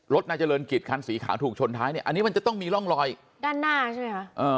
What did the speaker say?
นายเจริญกิจคันสีขาวถูกชนท้ายเนี่ยอันนี้มันจะต้องมีร่องรอยด้านหน้าใช่ไหมคะ